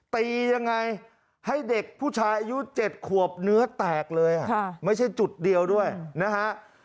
ตียังไงให้เด็กผู้ชายอายุ๗ขวบเนื้อแตกเลยไม่ใช่จุดเดียวด้วยนะฮะ